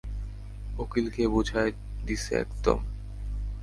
উকিল কে বুঝায়া দিসে একদম।